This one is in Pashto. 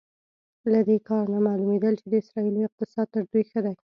له دې کار نه معلومېدل چې د اسرائیلو اقتصاد تر دوی ښه دی.